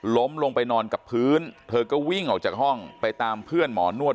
ล้มลงไปนอนกับพื้นเธอก็วิ่งออกจากห้องไปตามเพื่อนหมอนวด